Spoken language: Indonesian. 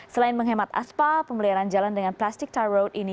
selain menghemat aspal pemeliharaan jalan dengan plastik tar road ini